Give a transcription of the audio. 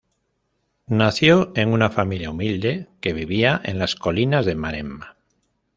Nació en una familia humilde que vivía en las colinas de Maremma.